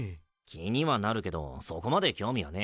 気にはなるけどそこまで興味はねえ。